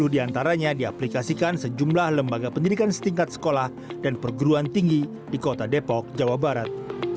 tujuh diantaranya diaplikasikan sejumlah lembaga pendidikan setingkat sekolah dan perguruan tinggi di kota depok jawa barat